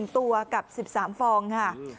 ตัวกับ๑๓ฟองค่ะ